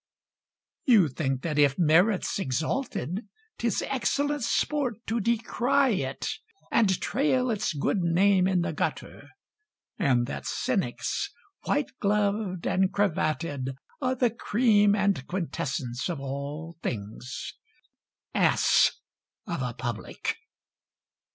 You think that if merit's exalted 'Tis excellent sport to decry it, And trail its good name in the gutter; And that cynics, white gloved and cravatted, Are the cream and quintessence of all things, Ass of a public!